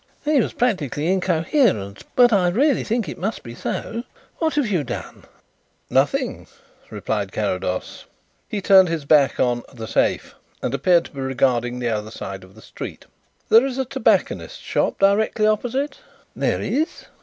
"He was practically incoherent, but I really think it must be so. What have you done?" "Nothing," replied Carrados. He turned his back on "The Safe" and appeared to be regarding the other side of the street. "There is a tobacconist's shop directly opposite?" "There is."